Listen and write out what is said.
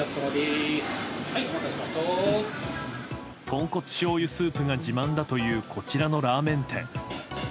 とんこつ醤油スープが自慢だというこちらのラーメン店。